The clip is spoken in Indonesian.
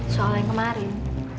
soal yang kemarin